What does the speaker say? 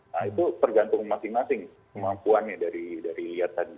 nah itu tergantung masing masing kemampuannya dari lihat tadi